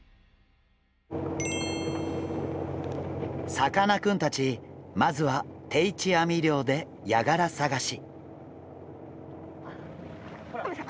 さかなクンたちまずは定置網漁でヤガラ探し。